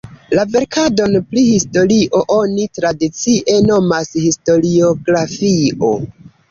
La verkadon pri historio oni tradicie nomas historiografio.